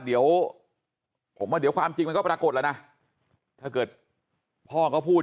เดี๋ยวผมว่าเดี๋ยวความจริงมันก็ปรากฏแล้วนะถ้าเกิดพ่อก็พูด